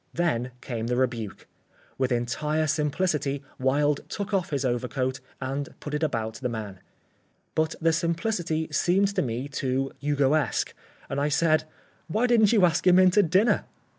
Then came the rebuke. With entire simplicity Wilde took off his overcoat and put it about the man. But the simplicity seemed to me too Hugoesque and I said: "Why didn't you ask him in to dinner?"